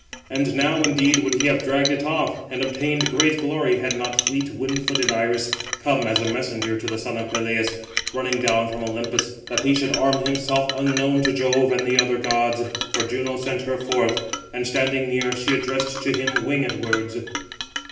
And now indeed would he have dragged it off, and obtained great glory, had not fleet wind footed Iris come as a messenger to the son of Peleus, running down from Olympus, that he should arm himself unknown to Jove and the other gods; for Juno sent her forth; and standing near, she addressed to him winged words: Footnote 579: (return) Cf.